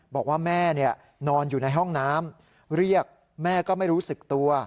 บอกว่าแม่นอนอยู่ในห้องน้ำเรียกแม่ก็ไม่รู้สึกตัว